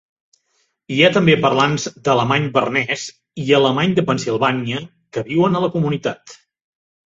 Hi ha també parlants d'alemany bernès i alemany de Pennsilvània que viuen a la comunitat.